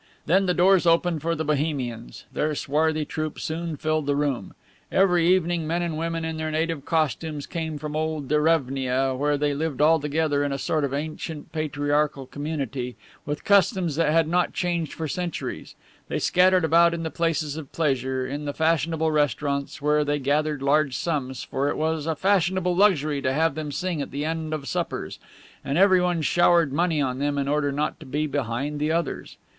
Then the doors opened for the Bohemians. Their swarthy troupe soon filled the room. Every evening men and women in their native costumes came from old Derevnia, where they lived all together in a sort of ancient patriarchal community, with customs that had not changed for centuries; they scattered about in the places of pleasure, in the fashionable restaurants, where they gathered large sums, for it was a fashionable luxury to have them sing at the end of suppers, and everyone showered money on them in order not to be behind the others.